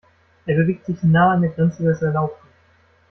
Er bewegt sich nah an der Grenze des Erlaubten.